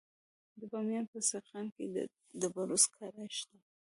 د بامیان په سیغان کې د ډبرو سکاره شته.